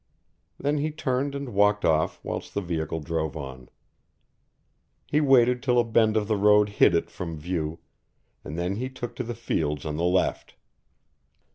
Then he turned and walked off whilst the vehicle drove on. He waited till a bend of the road hid it from view, and then he took to the fields on the left.